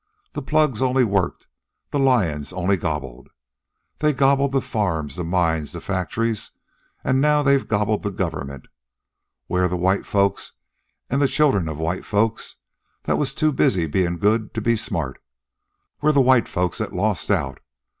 The plugs only worked, the lions only gobbled. They gobbled the farms, the mines, the factories, an' now they've gobbled the government. We're the white folks an' the children of white folks, that was too busy being good to be smart. We're the white folks that lost out.